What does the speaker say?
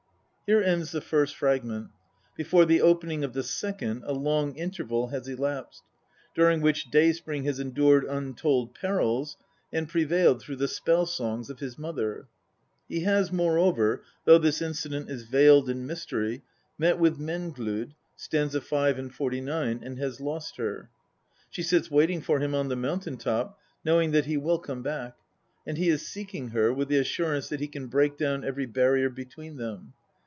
Here ends the first fragment ; before the opening of the second a long interval has elapsed, during which Day spring has endured untold perils, and prevailed through the spell songs of his mother. He has, moreover, though this incident is veiled in mystery, met with Menglod (st. 5 and 49), and has lost her. She sits waiting for him on the mountain top, knowing that he will come back ; and he is seeking her, with the assurance that he can break down every barrier between them.